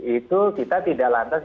itu kita tidak lantas